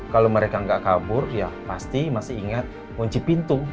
kalau mereka nggak kabur ya pasti masih ingat kunci pintu